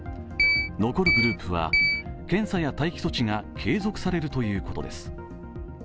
残るグループは検査や待機措置が継続されるということです。